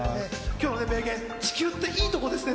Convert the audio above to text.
今日の名言、地球っていいところですね。